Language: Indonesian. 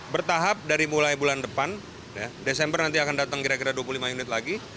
bertahap dari mulai bulan depan desember nanti akan datang kira kira dua puluh lima unit lagi